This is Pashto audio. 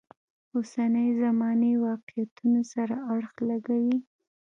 اوسنۍ زمانې واقعیتونو سره اړخ لګوي.